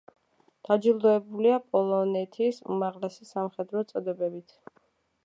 დაჯილდოებულია პოლონეთის უმაღლესი სამხედრო წოდებებით.